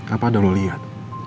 apa ada lo liat